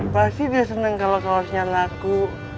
pasti dia senang kalau kaosnya laku